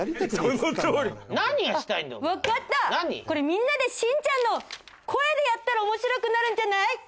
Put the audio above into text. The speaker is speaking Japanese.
これみんなでしんちゃんの声でやったら面白くなるんじゃない？